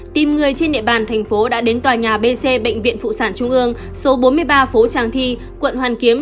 team người trên địa bàn thành phố đã đến tòa nhà bc bệnh viện phụ sản trung ương số bốn mươi ba phố tràng thi quận hoàn kiếm